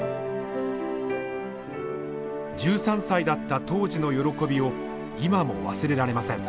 １３歳だった当時の喜びを今も忘れられません。